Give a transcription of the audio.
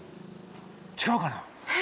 違うかな？